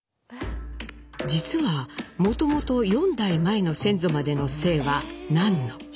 実はもともと４代前の先祖までの姓はナンノ。